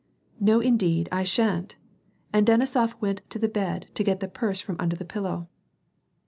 " No indeed, I shan't," and Denisof went to the bed to get the purse from under the pillow.